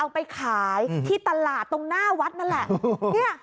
ไปขายที่ตลาดตรงหน้าวัดนั่นแหละ